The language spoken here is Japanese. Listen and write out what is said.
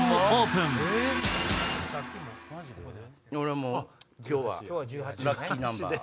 もう今日はラッキーナンバー。